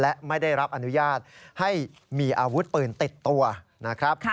และไม่ได้รับอนุญาตให้มีอาวุธปืนติดตัวนะครับ